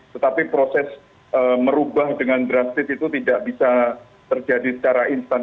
tetapi proses merubah dengan drastis itu tidak bisa terjadi secara instan